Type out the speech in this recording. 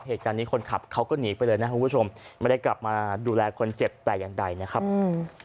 เหตุการณ์นี้คนขับเขาก็หนีไปเลยนะครับคุณผู้ชมไม่ได้กลับมาดูแลคนเจ็บแต่อย่างใดนะครับอืม